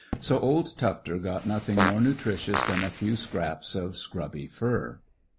So old Tufter got nothing more nutritious than a few scraps of scrubby fur.